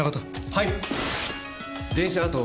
はい！